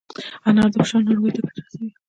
انار د فشار ناروغۍ ته ګټه رسوي.